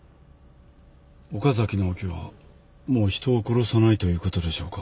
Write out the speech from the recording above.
岡崎直樹はもう人を殺さないということでしょうか？